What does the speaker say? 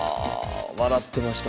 笑ってました